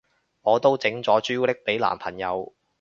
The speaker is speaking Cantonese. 我都整咗朱古力俾男朋友